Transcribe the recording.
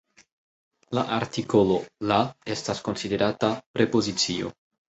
La artikolo "la" estas konsiderata "prepozicio".